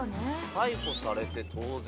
逮捕されて当然。